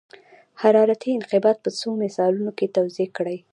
حرارتي انقباض په څو مثالونو کې توضیح کړئ.